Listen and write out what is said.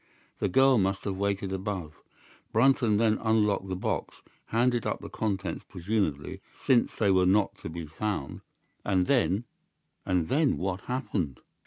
The girl must have waited above. Brunton then unlocked the box, handed up the contents presumably—since they were not to be found—and then—and then what happened?